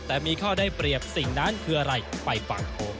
แต่มีข้อได้เปรียบสิ่งนั้นคืออะไรไปฟัง